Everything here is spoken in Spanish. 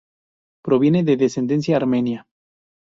Proviene de descendencia armenia.